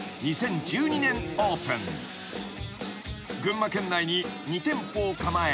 ［群馬県内に２店舗を構え］